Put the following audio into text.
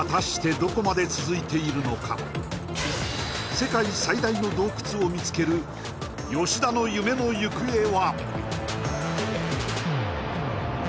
世界最大の洞窟を見つける吉田の夢の行方は？